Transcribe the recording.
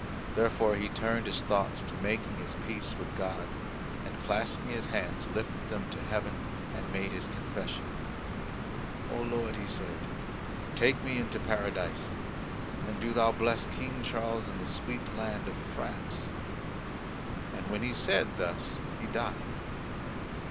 Therefore he turned his thoughts to making his peace with God, and clasping his hands lifted them to heaven and made his confession. "O Lord," he said, "take me into Paradise. And do Thou bless King Charles and the sweet land of France." And when he had said thus he died.